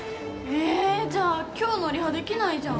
えじゃあ今日のリハできないじゃん。